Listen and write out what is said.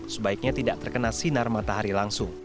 sebaiknya tidak terkena sinar matahari langsung